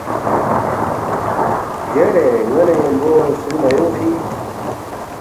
گارے ن٘ا نہ ن٘یمبو سُو مہ اونگفی